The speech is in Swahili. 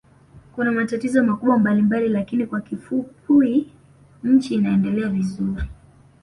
Kuna matatizo makubwa mbalimbali lakini kwa kifupui nchi inaendelea vizuri